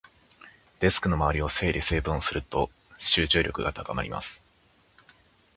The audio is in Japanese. デスクの周りを整理整頓すると、集中力が高まります。